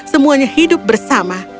semuanya hidup bersama